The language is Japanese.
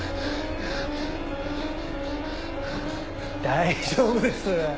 大丈夫です。